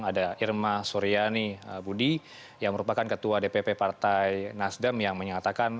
ada irma suryani budi yang merupakan ketua dpp partai nasdem yang menyatakan